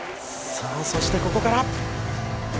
さあそしてここから。